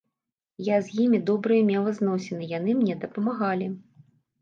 Я з імі добрыя мела зносіны, яны мне дапамагалі.